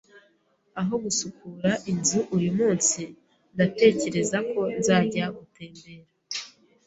Aho gusukura inzu uyumunsi, ndatekereza ko nzajya gutembera.